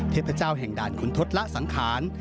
เทพเจ้าแห่งด่านขุนทศละสังขาร